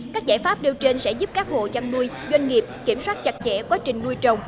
các giải pháp nêu trên sẽ giúp các hộ chăn nuôi doanh nghiệp kiểm soát chặt chẽ quá trình nuôi trồng